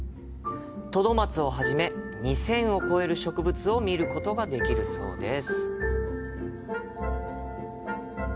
トドマツをはじめ２０００を超える植物を見ることができるそうです。